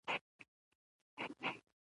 زه کولای شم په ورځو ورځو په دې اړه وغږېږم.